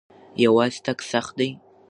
یوازې تګ سخت دی.